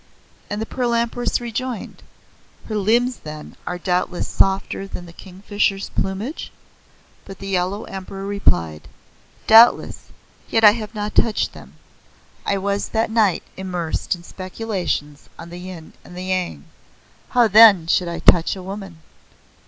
And the Pearl Empress rejoined: "Her limbs then are doubtless softer than the kingfisher's plumage?" But the Yellow Emperor replied; "Doubtless. Yet I have not touched them. I was that night immersed in speculations on the Yin and the Yang. How then should I touch a woman?"